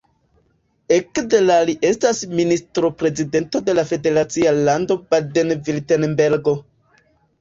Ekde la li estas ministro-prezidanto de la federacia lando Baden-Virtembergo.